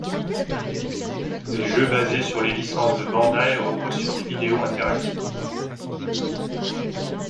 Les jeux basés sur les licences de Bandai, reposent sur des vidéos interactives.